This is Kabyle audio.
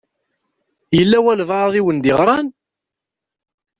Yella walebɛaḍ i wen-d-iɣṛan?